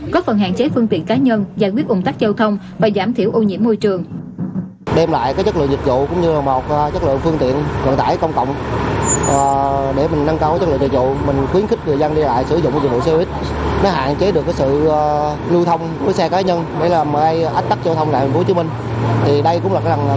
có phần hạn chế phương tiện cá nhân giải quyết ủng tắc giao thông và giảm thiểu ô nhiễm môi trường